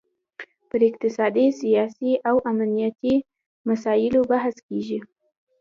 پر اقتصادي، سیاسي او امنیتي مسایلو بحث کیږي